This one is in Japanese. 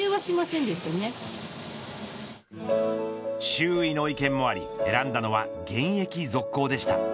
周囲の意見もあり選んだのは現役続行でした。